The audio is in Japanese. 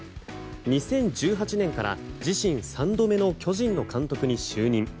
２０１８年から自身３度目の巨人の監督に就任。